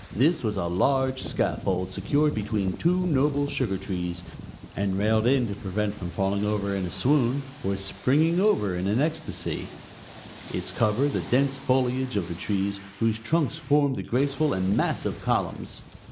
This was a large scaffold, secured between two noble sugar trees, and railed in to prevent from falling over in a swoon, or springing over in an ecstasy; its cover the dense foliage of the trees, whose trunks formed the graceful and massive columns.